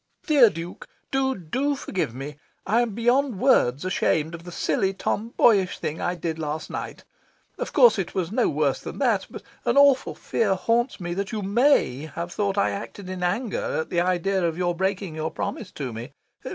"DEAR DUKE, DO, DO forgive me. I am beyond words ashamed of the silly tomboyish thing I did last night. Of course it was no worse than that, but an awful fear haunts me that you MAY have thought I acted in anger at the idea of your breaking your promise to me.